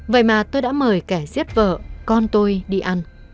vậy mà tôi đã mời kẻ giết vợ con tôi đi ăn